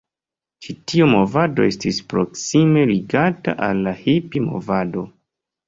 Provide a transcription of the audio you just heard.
Ĉi tiu movado estis proksime ligata al la Hipi-movado.